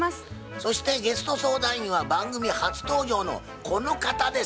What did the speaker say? そしてゲスト相談員は番組初登場のこの方です。